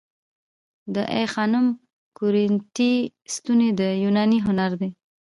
د آی خانم کورینتی ستونې د یوناني هنر دي